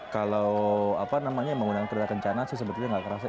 kalau apa namanya menggunakan kereta kencana sih sebetulnya nggak kerasa